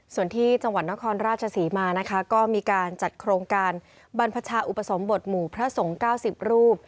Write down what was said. ส่วนที่จังหวัดนครราชศรีมานะคะก็มีการจัดโครงการบรรพชาอุปสมบทหมู่พระสงฆ์๙๐รูป